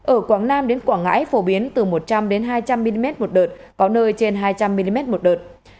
ở quảng nam đến quảng ngãi phổ biến từ một trăm linh hai trăm linh mm một đợt có nơi trên hai trăm linh mm một đợt